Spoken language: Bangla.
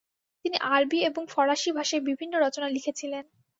তিনি আরবি এবং ফরাসি ভাষায় বিভিন্ন রচনা লিখেছিলেন।